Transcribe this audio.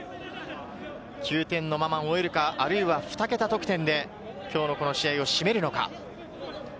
９点のまま終えるか、あるいはふた桁得点で今日のこの試合を締めるのか。